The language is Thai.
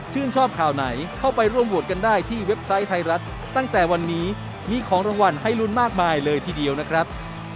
ชอบข่าวไหนเข้าไปร่วมโหวตกันได้ที่เว็บไซต์ไทยรัฐตั้งแต่วันนี้มีของรางวัลให้ลุ้นมากมายเลยทีเดียวนะครับ